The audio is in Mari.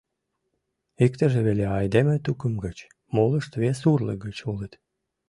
Иктыже веле айдеме тукым гыч, молышт вес урлык гыч улыт.